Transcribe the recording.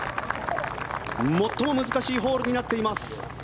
最も難しいホールになっています。